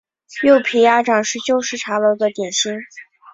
柚皮鸭掌是旧式茶楼的点心。